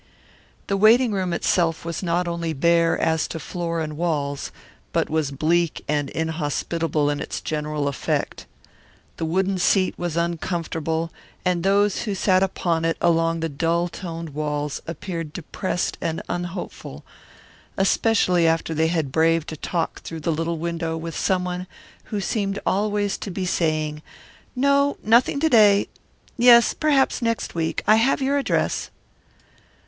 The waiting room itself was not only bare as to floor and walls, but was bleak and inhospitable in its general effect. The wooden seat was uncomfortable, and those who sat upon it along the dull toned walls appeared depressed and unhopeful, especially after they had braved a talk through the little window with someone who seemed always to be saying, "No, nothing to day. Yes, perhaps next week. I have your address."